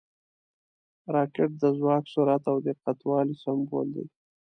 راکټ د ځواک، سرعت او دقیق والي سمبول دی